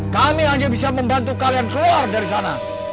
kami hanya bisa membantu kalian keluar dari sana